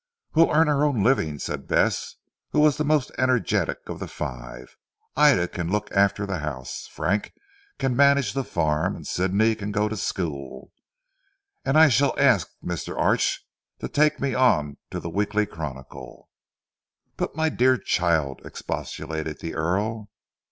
"We'll earn our own livings," said Bess who was the most energetic of the five. "Ida can look after the house, Frank can manage the farm; and Sidney can go to school, and I shall ask Mr. Arch to take me on to the Weekly Chronicle." "But my dear child!" expostulated the Earl.